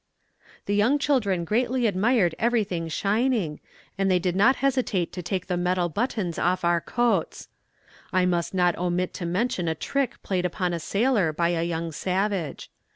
"The young children greatly admired everything shining, and they did not hesitate to take the metal buttons off our coats. I must not omit to mention a trick played upon a sailor by a young savage.